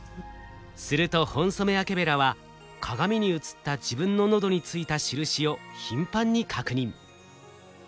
するとホンソメワケベラは鏡に映った自分の喉についた印を頻繁に確認。